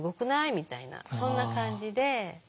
みたいなそんな感じで。